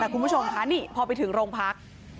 แต่คุณผู้ชมค่ะนี่พอไปถึงโรงพัก